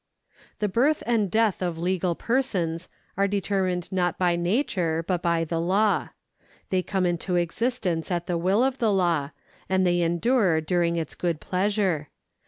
The birth and death of legal persons are determined not by nature, but by the law. They come into existence at the will of the law, and they endure diu ing its good pleasure.